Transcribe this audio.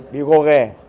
bị gồ ghề